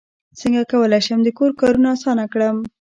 څنګه کولی شم د کور کارونه اسانه کړم